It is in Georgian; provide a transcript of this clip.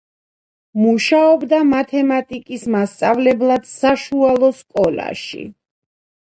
მუშაობდა მათემატიკის მასწავლებლად საშუალო სკოლაში.